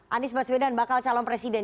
anies baswedan bakal calon presiden